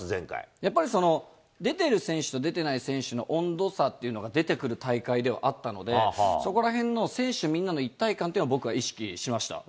やっぱり出ている選手と出てない選手の温度差っていうのが出てくる大会ではあったので、そこらへんの選手みんなの一体感っていうのは、僕は意識しました。